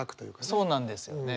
そうなんですよね。